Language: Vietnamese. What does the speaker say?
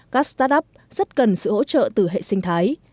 các start up rất cần sự hỗ trợ từ hệ sinh thái